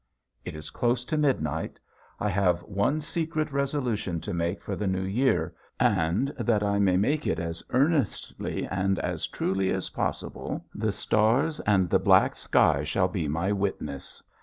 It is close to midnight. I have one secret resolution to make for the new year and, that I may make it as earnestly and as truly as possible, the stars and the black sky shall be my witness.